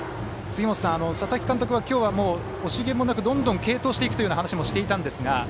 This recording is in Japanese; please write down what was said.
佐々木監督は今日はもう、惜しげもなくどんどん継投していくという話もしていたんですが。